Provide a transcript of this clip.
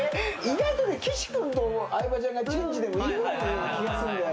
意外と岸君と相葉ちゃんがチェンジでもいいぐらいのような気がすんだよ。